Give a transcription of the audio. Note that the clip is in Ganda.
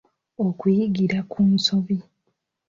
okuyigira ku nsobi